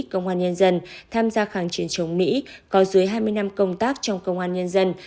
công an nhân dân tham gia kháng chiến chống mỹ có dưới hai mươi năm công tác trong công an nhân dân